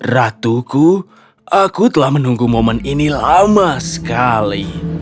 ratuku aku telah menunggu momen ini lama sekali